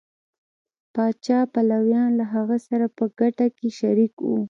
پاچا پلویان له هغه سره په ګټه کې شریک وو.